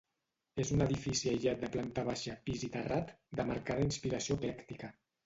És un edifici aïllat de planta baixa, pis i terrat, de marcada inspiració eclèctica.